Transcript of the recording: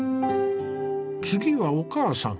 次はお母さん。